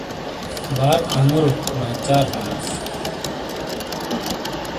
بار انگورو ناچار ہَنوس۔